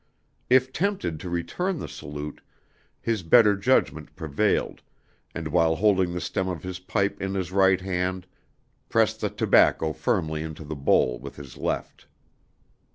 If tempted to return the salute, his better judgment prevailed, and while holding the stem of his pipe in his right hand, pressed the tobacco firmly into the bowl with his left.